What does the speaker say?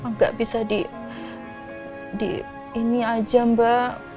mbak kapan gak bisa di ini aja mbak